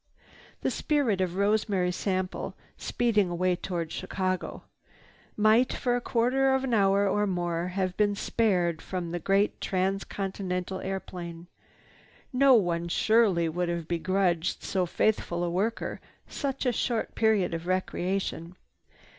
The spirit of Rosemary Sample, speeding away toward Chicago, might for a quarter hour or more have been spared from the great trans continental airplane. No one surely would have begrudged so faithful a worker such a short period of recreation.